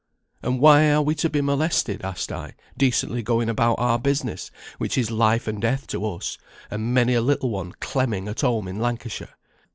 "'And why are we to be molested?' asked I, 'going decently about our business, which is life and death to us, and many a little one clemming at home in Lancashire?